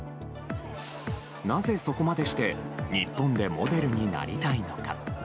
なぜそこまでして日本でモデルになりたいのか。